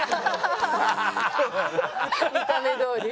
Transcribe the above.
見た目どおり。